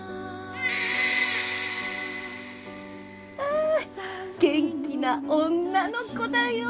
・あ元気な女の子だよ。